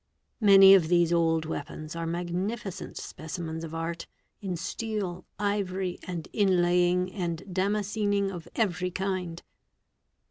Many of these old weapons are magnificient pecimens of art, in steel, ivory, and inlaying and damascening of every ind.